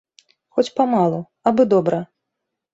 Хоць памалу, абы добра